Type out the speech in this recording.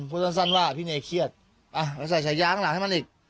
พูดสั้นว่าพี่เนยเครียดไปใส่ฉายางข้างหลังให้มันอีก